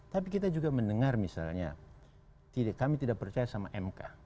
tapi kita juga mendengar misalnya kami tidak percaya sama mk